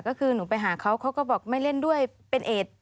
ก็คือหนูไปหาเขาเขาก็บอกไม่เล่นด้วยเป็นเอด